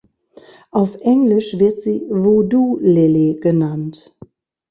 Auf Englisch wird sie „Voodoo Lily“ genannt.